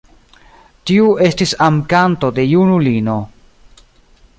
Tiu estis amkanto de junulino.